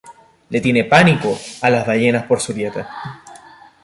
Le tiene pánico a las ballenas por su dieta.